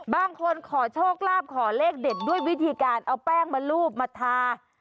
ขอโชคลาภขอเลขเด็ดด้วยวิธีการเอาแป้งมารูปมาทา